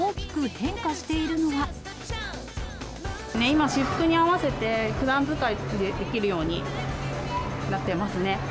今、私服に合わせてふだん使いできるようになってますね。